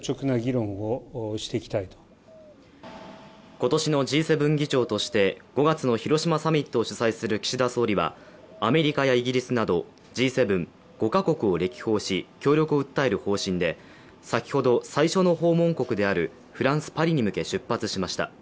今年のＧ７議長として５月の広島サミットを主催する岸田総理はアメリカやイギリスなどＧ７５か国を歴訪して協力を訴える方針で先ほど最初の訪問国であるフランス・パリに向け出発しました。